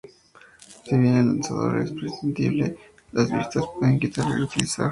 Si bien el lanzador es prescindible, las vistas se pueden quitar y reutilizar.